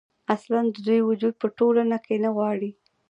اصـلا د دوي وجـود پـه ټـولـنـه کـې نـه غـواړي.